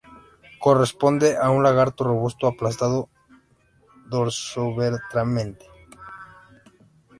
Corresponde a un lagarto robusto, aplastado dorsoventralmente.